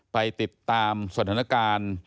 ไปติดตามสถานการณ์